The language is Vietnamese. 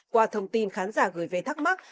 qua thông tin khán giả gửi về thắc mắc